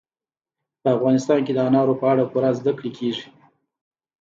په افغانستان کې د انارو په اړه پوره زده کړه کېږي.